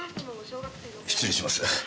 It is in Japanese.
失礼します。